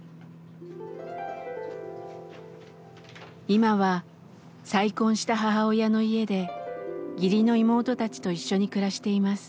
今は再婚した母親の家で義理の妹たちと一緒に暮らしています。